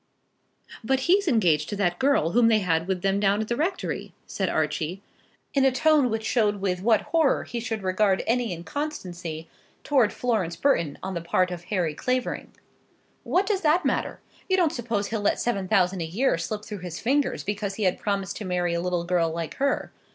"But he's engaged to that girl whom they had with them down at the rectory," said Archie, in a tone which showed with what horror he should regard any inconstancy towards Florence Burton on the part of Harry Clavering. "What does that matter? You don't suppose he'll let seven thousand a year slip through his fingers because he had promised to marry a little girl like her?